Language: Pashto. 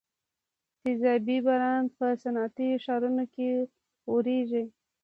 تیزابي باران په صنعتي ښارونو کې اوریږي.